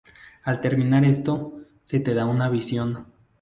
Al terminar esto, se te da una visión.